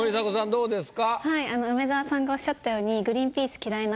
どうですか？